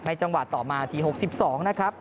จังหวะต่อมาที๖๒นะครับ